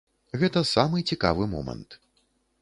Гэта самы цікавы момант.